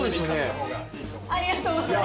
ありがとうございます！